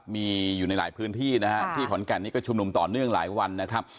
มีอยู่ในหลายพื้นที่นะฮะที่ขอนแก่นนี้ก็ชุมนุมต่อเนื่องหลายวันนะครับ